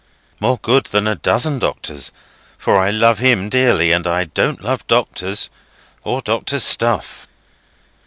"More good than a dozen doctors. For I love him dearly, and I don't love doctors, or doctors' stuff."